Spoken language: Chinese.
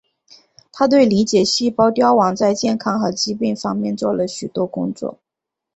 他对理解细胞凋亡在健康和疾病方面做了许多工作。